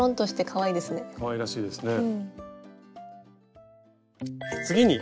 かわいらしいですね。